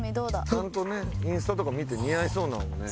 ちゃんとねインスタとか見て似合いそうなものね。